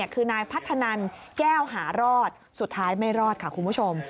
คือนายพัฒนันแก้วหารอดสุดท้ายไม่รอดค่ะคุณผู้ชม